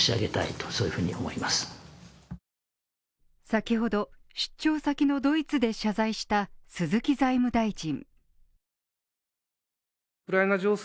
先ほど、出張先のドイツで謝罪した鈴木財務大臣。